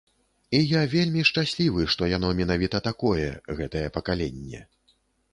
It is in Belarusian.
І я вельмі шчаслівы, што яно менавіта такое, гэтае пакаленне.